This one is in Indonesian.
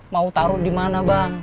mau taruh di mana bang